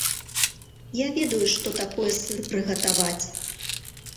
Я ведаю, што такое сыр прыгатаваць.